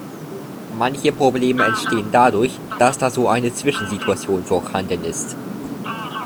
Manche Probleme entstehen dadurch, dass da so eine Zwischensituation vorhanden ist.